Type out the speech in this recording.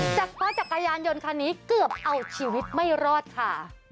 จากฟ้าจักรยานยนต์คันนี้เกือบเอาชีวิตไม่รอดค่ะ